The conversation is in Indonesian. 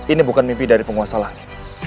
ini bukan mimpi dari penguasa lagi